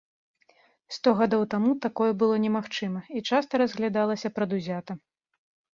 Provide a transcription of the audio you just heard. Сто гадоў таму такое было немагчыма, і часта разглядалася прадузята.